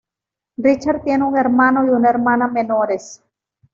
Richard tiene un hermano y una hermana menores.